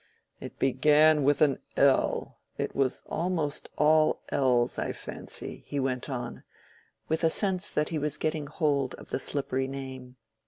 "It began with L; it was almost all l's I fancy," he went on, with a sense that he was getting hold of the slippery name.